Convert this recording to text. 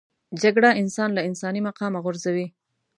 جګړه انسان له انساني مقامه غورځوي